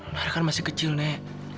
marah kan masih kecil nek